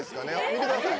見てください